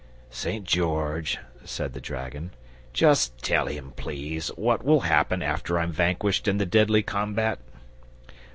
"St. George," said the dragon, "Just tell him, please, what will happen after I'm vanquished in the deadly combat?"